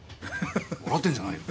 笑ってんじゃないよ。